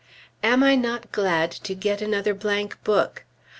Am I not glad to get another blank book!